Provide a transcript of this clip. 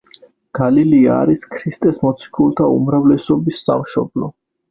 გალილეა არის ქრისტეს მოციქულთა უმრავლესობის სამშობლო.